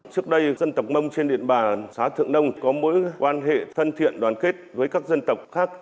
trước đây dân tộc mông trên điện bàn xã thượng nông có mối quan hệ thân thiện đoàn kết với các dân tộc khác